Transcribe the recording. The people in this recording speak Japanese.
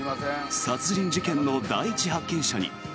殺人事件の第一発見者に。